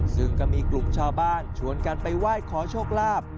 ซึ่งก็มีกลุ่มชาวบ้านชวนกันไปไหว้ขอโชคลาภ